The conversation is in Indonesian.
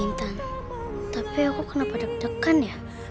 intan tapi aku kenapa deg degan ya